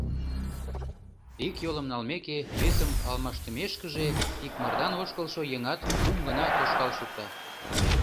Ик йолым налмеке, весым алмаштымешкыже, икмардан ошкылшо еҥат кум гана тошкал шукта.